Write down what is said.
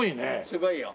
すごいよ。